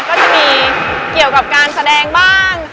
ก็จะมีเกี่ยวกับการแสดงบ้าง